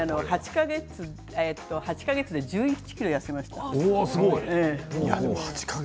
８か月で１１ｋｇ痩せました。